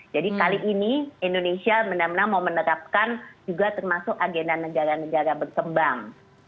jadi kali ini indonesia benar benar mau menerapkan juga termasuk agenda negara negara berkembang